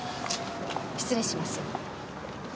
失礼します。